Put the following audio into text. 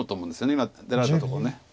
今出られたとこを。